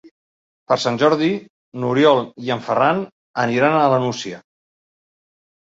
Per Sant Jordi n'Oriol i en Ferran aniran a la Nucia.